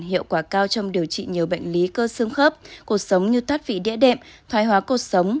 hiệu quả cao trong điều trị nhiều bệnh lý cơ xương khớp cột sống như thoát vị địa đệm thoai hóa cột sống